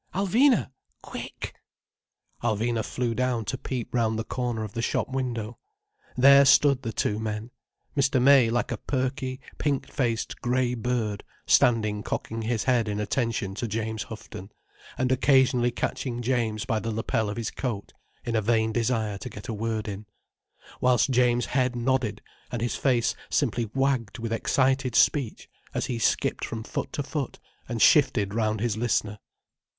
"Alvina! Quick!" Alvina flew down to peep round the corner of the shop window. There stood the two men, Mr. May like a perky, pink faced grey bird standing cocking his head in attention to James Houghton, and occasionally catching James by the lapel of his coat, in a vain desire to get a word in, whilst James's head nodded and his face simply wagged with excited speech, as he skipped from foot to foot, and shifted round his listener.